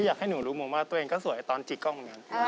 อยากให้หนูรู้มอเมอร์ตัวเองก็สวยตอนจี๊กล้อง